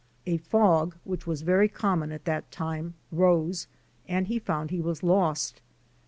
A fog, which was very common at that time, rose and he found he was lost.